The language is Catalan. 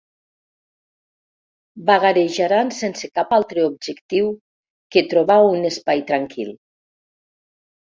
Vagarejaran sense cap altre objectiu que trobar un espai tranquil.